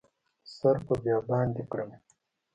سر په بیابان دې کړم